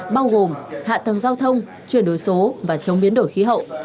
bao gồm hạ tầng giao thông chuyển đổi số và chống biến đổi khí hậu